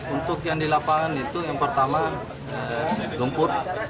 untuk yang dilapangan itu yang pertama lumpur